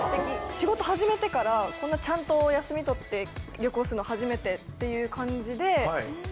仕事始めてからこんなちゃんとお休み取って旅行するの初めてっていう感じで。